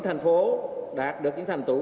thành phố đạt được những thành tựu